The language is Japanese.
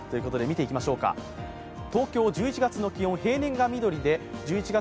東京１１月の気温、平年が緑で１１月